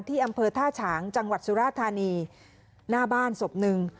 อำเภอท่าฉางจังหวัดสุราธานีหน้าบ้านศพหนึ่ง